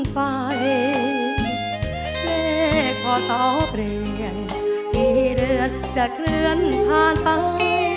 หลังพอเสาเปลี่ยนปีเดือนจะเคลื่อนผ่านไป